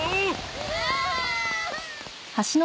うわ！